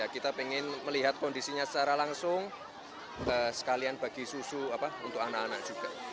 kita ingin melihat kondisinya secara langsung sekalian bagi susu untuk anak anak juga